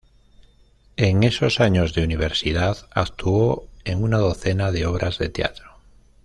En esos años de universidad actuó en una docena de obras de teatro.